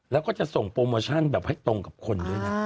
แล้วก็จะส่งโปรโมชั่นแบบให้ตรงกับคนด้วยนะ